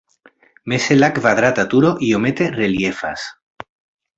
Meze la kvadrata turo iomete reliefas.